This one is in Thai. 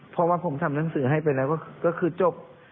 เพราะว่าผมทำหนังสือให้ไปแล้วก็คือจบ